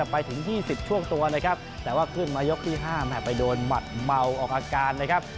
ไปโดนหมัดเมาออกอาการนะครับ